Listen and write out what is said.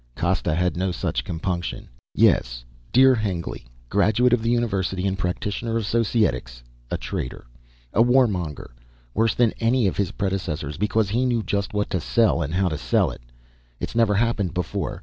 Costa had no such compunction. "Yes. Dear Hengly, graduate of the University and Practitioner of Societics. A traitor. A warmonger, worse than any of his predecessors because he knew just what to sell and how to sell it. It's never happened before